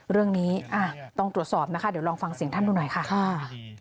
เรื่องนี้ต้องตรวจสอบนะคะเดี๋ยวลองฟังเสียงท่านดูหน่อยค่ะ